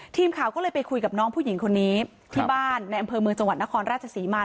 ทีมข่าวก็เลยไปคุยกับน้องผู้หญิงคนนี้ที่บ้านในอำเภอเมืองจังหวัดนครราชศรีมา